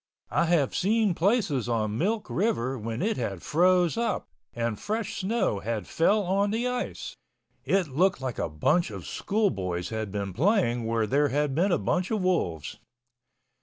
I have seen places on Milk River when it had froze up and fresh snow had fell on the ice, it looked like a bunch of school boys had been playing where there had been a bunch of wolves.